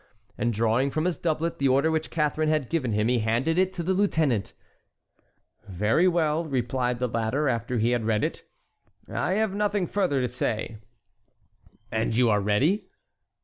And drawing from his doublet the order which Catharine had given him he handed it to the lieutenant. "Very well," replied the latter after he had read it. "I have nothing further to say." "And you are ready?"